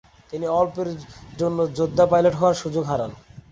তিনি অল্পের জন্য যোদ্ধা পাইলট হওয়ার সুযোগ হারান।